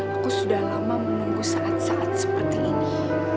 aku sudah lama menunggu saat saat seperti ini